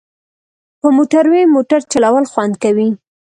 په موټروی موټر چلول خوند کوي